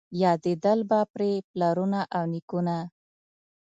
یادېدل به پرې پلرونه او نیکونه